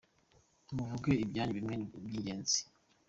Muvuge ibyanyu bimwe by’ingenzi